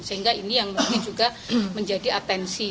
sehingga ini yang menjadi atensi